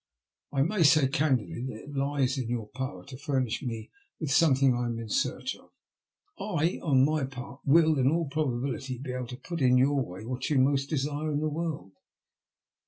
I may say candidly that it lies in your power to furnish me with something I am in search of. I, on my part, will, in all probability, be able to put in your way what you most desire in the world."